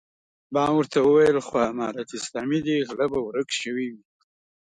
ما ورته وويل خو امارت اسلامي دی غله به ورک شوي وي.